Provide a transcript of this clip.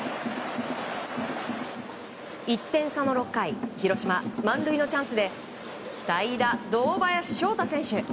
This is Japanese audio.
１点差の６回広島、満塁のチャンスで代打、堂林翔太選手。